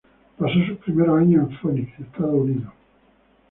Pasó sus primeros años en Phoenix, Estados Unidos.